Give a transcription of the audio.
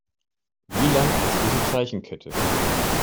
Wie lang ist diese Zeichenkette?